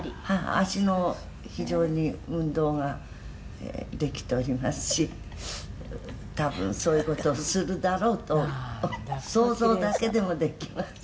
「足の非常に運動ができておりますし多分そういう事をするだろうと想像だけでもできます」